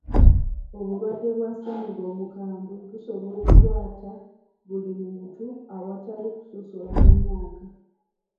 Obulwadde bwa ssennyiga omukambwe busobola okukwata buli muntu awatali kusosola mu myaka.